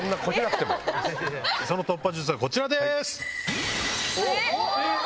その突破術はこちらです。